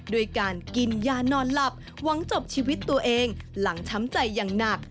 ด้วยการกินยานอนหลับหวังจบชีวิตตัวเองหลังช้ำใจอย่างหนัก